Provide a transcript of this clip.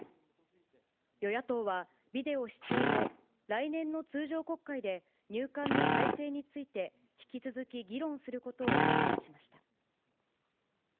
与野党は、ビデオ視聴後、来年の通常国会で入管の体制について、引き続き議論することを確認しました。